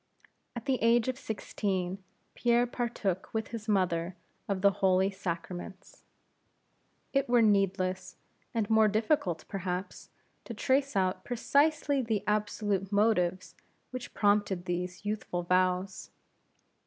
At the age of sixteen, Pierre partook with his mother of the Holy Sacraments. It were needless, and more difficult, perhaps, to trace out precisely the absolute motives which prompted these youthful vows.